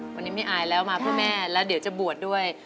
วันนี้ไม่อายแล้วมาเพื่อแม่แล้วเดี๋ยวจะบวชด้วย